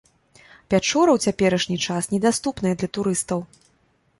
Пячора ў цяперашні час недаступная для турыстаў.